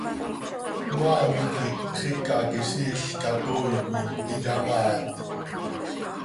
Cmaam quih xicaquiziil catooi coi iyamaaat.